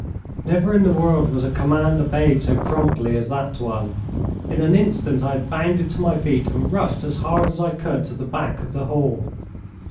Never in the world was a command obeyed so promptly as that one. In an instant I had bounded to my feet and rushed as hard as I could to the back of the hall.